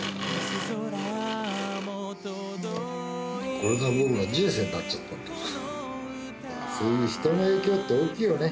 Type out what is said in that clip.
これが僕の人生になっちゃったそういう人の影響って大きいよね